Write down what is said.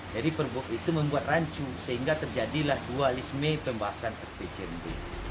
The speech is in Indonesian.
jadi perbuk itu membuat rancu sehingga terjadilah dualisme pembahasan rpcmd